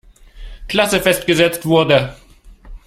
Klasse festgesetzt wurde.